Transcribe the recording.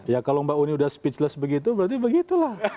ya kalau mbak uni udah speechless begitu berarti begitu lah